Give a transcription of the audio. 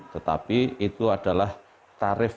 tetapi itu adalah tarifnya